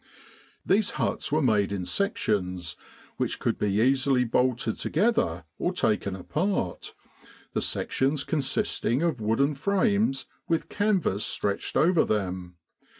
These huts were made in sections, which could be easily bolted together or taken apart, the sections consisting of wooden frames with canvas stretched over them.